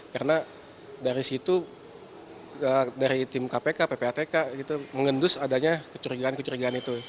karena dari situ dari tim kpk ppatk gitu mengendus adanya kecurigaan kecurigaan itu